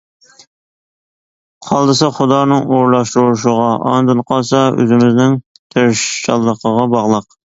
قالدىسى خۇدانىڭ ئورۇنلاشتۇرۇشىغا، ئاندىن قالسا ئۆزىمىزنىڭ تىرىشچانلىقىغا باغلىق.